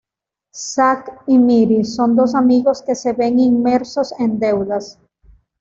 Zack y Miri son dos amigos que se ven inmersos en deudas.